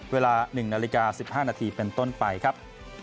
เวลา๑นาฬิกา๑๕นาทีเป็นต้นไปครับ